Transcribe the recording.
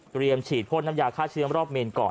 เตรียมฉีดพ่นน้ำยาค่าเชื้อมรอบเมนก่อน